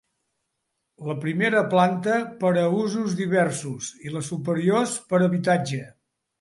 La primera planta per a usos diversos i les superiors per a habitatge.